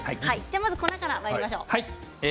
粉から、まいりましょう。